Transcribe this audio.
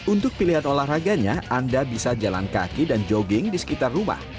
untuk pilihan olahraganya anda bisa jalan kaki dan jogging di sekitar rumah